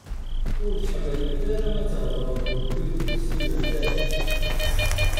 Ur tḥemmlemt ara ad theḍṛemt d wid ur tessinemt ara?